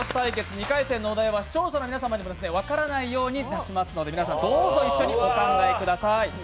２回戦の対決は視聴者の皆さんにも分からないように出しますので、皆さん、どうぞ一緒にお考えください。